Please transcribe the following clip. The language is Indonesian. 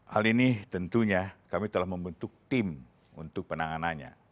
hal ini tentunya kami telah membentuk tim untuk penanganannya